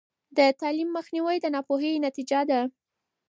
د تعلیم مخنیوی د ناپوهۍ نتیجه ده.